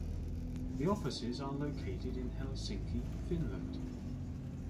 The offices are located in Helsinki, Finland.